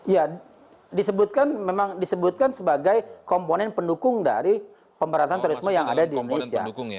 ya disebutkan memang disebutkan sebagai komponen pendukung dari pemberantasan terorisme yang ada di indonesia